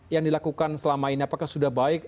yang dilakukan selama ini apakah sudah baik